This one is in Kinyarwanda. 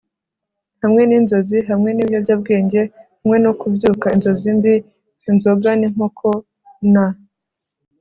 hamwe ninzozi, hamwe nibiyobyabwenge, hamwe no kubyuka inzozi mbi, inzoga ninkoko na